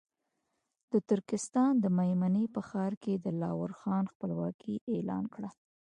د ترکستان د مېمنې په ښار کې دلاور خان خپلواکي اعلان کړه.